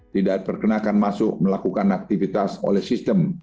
tidak berkenakan masuk melakukan aktivitas oleh sistem